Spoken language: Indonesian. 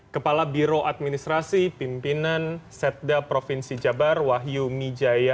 kepala biro administrasi pimpinan setda provinsi jabar wahyu mijaya